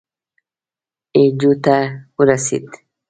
اي جو ته ورسېدو.